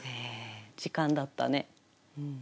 時間だったね。